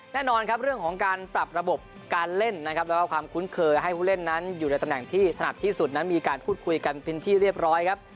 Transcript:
แน่นอนครับเรื่องของการปรับระบบการเล่นนะครับแล้วก็ความคุ้นเคยให้ผู้เล่นนั้นอยู่ในตำแหน่งที่ถนัดที่สุดนั้นมีการพูดคุยกันเป็นที่เรียบร้อยครับ